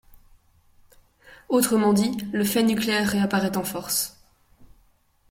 Autrement dit, le fait nucléaire réapparaît en force.